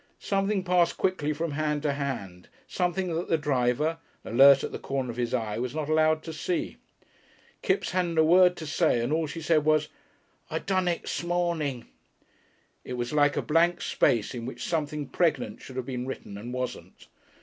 Something passed quickly from hand to hand, something that the driver, alert at the corner of his eye, was not allowed to see. Kipps hadn't a word to say, and all she said was, "I done it, 'smorning." It was like a blank space in which something pregnant should have been written and wasn't.